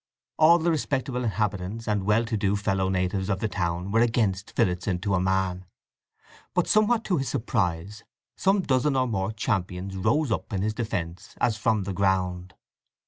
All the respectable inhabitants and well to do fellow natives of the town were against Phillotson to a man. But, somewhat to his surprise, some dozen or more champions rose up in his defence as from the ground.